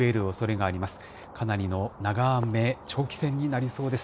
かなりの長雨、長期戦になりそうです。